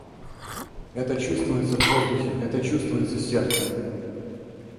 Это чувствуется в воздухе, это чувствуется сердцем.